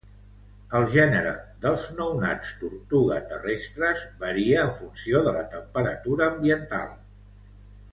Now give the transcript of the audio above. El gènere dels nounats tortuga terrestres varia en funció de la temperatura ambiental.